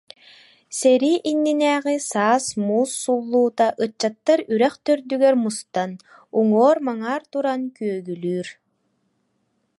Сэрии иннинээҕи саас муус суллуута ыччаттар үрэх төрдүгэр мустан, уңуор-маңаар туран күөгүлүүр,